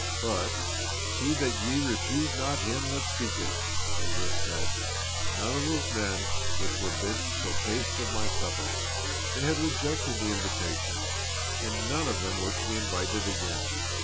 But "see that ye refuse not Him that speaketh."^ Jesus said, "None of those men which were bidden shall taste of My supper." They had rejected the invitation, and none of them were to be invited again.